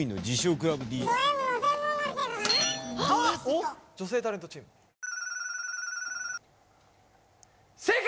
クラブ女性タレントチーム正解！